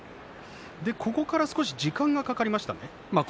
ここから少し時間がかかりましたね。